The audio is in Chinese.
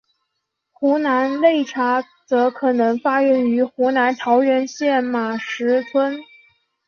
湖南擂茶则可能发源于湖南桃源县马石村。